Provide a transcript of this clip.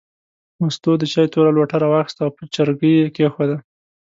مستو د چای توره لوټه راواخیسته او په چرګۍ یې کېښوده.